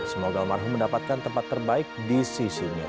semoga almarhum mendapatkan tempat terbaik di sisinya